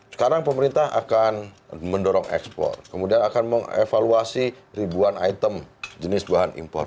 sekarang pemerintah akan mendorong ekspor kemudian akan mengevaluasi ribuan item jenis bahan impor